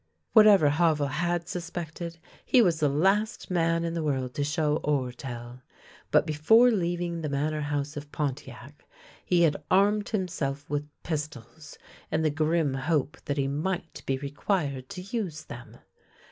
Whatever Havel had suspected, he was the last man in the world to show or tell. But before leaving the Manor House of Pontiac he had armed himself with pistols, in the grim hope that he might be required to use them.